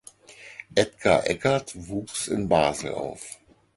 Edgar Eckert wuchs in Basel auf.